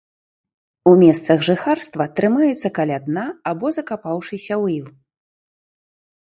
У месцах жыхарства трымаюцца каля дна або закапаўшыся ў іл.